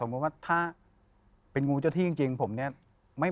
ว่าถ้าเป็นงูเจ้าที่จริงผมเนี่ย